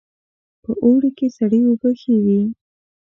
په اوړي کې سړې اوبه ښې وي